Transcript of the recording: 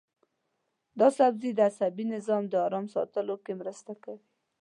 دا سبزی د عصبي نظام د ارام ساتلو کې مرسته کوي.